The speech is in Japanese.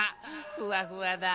ふわふわだ。